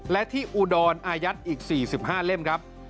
และที่อุดรอายัดอีก๔๕เล่มครับ